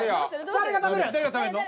誰が食べんの？